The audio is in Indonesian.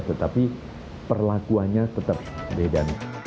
tetapi perlakuannya tetap beda